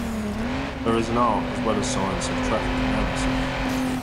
There is an art as well as science of traffic analysis.